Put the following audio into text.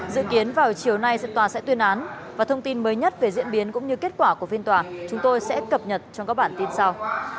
dự kiến vào chiều nay tòa sẽ tuyên án và thông tin mới nhất về diễn biến cũng như kết quả của phiên tòa chúng tôi sẽ cập nhật trong các bản tin sau